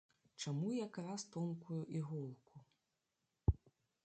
Чаму якраз тонкую іголку?